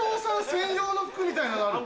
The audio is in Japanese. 専用の服みたいなのがある。